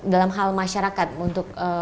dalam hal masyarakat untuk